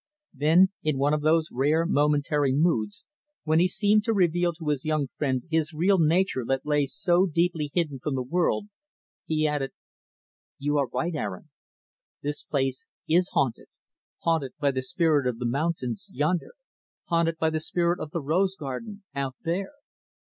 Then, in one of those rare momentary moods, when he seemed to reveal to his young friend his real nature that lay so deeply hidden from the world, he added, "You are right, Aaron. This place is haunted haunted by the spirit of the mountains, yonder haunted by the spirit of the rose garden, out there.